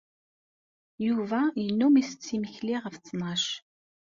Yuba yennum isett imekli ɣef ttnac.